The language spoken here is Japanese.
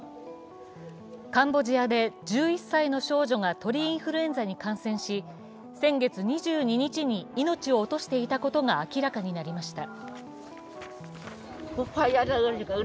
カンボジアで１１歳の少女が鳥インフルエンザに感染し先月２２日に命を落としていたことが明らかになりました。